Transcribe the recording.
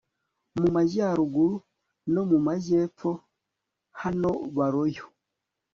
mu majyaruguru no mu majyepfo naho baroyo